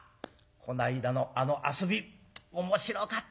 こないだのあの遊び面白かったね。